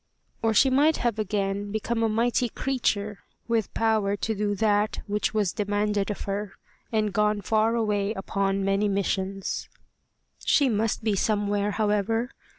Or she might have again become a mighty creature, with power to do that which was demanded of her, and gone far away upon many missions. She must be somewhere, however.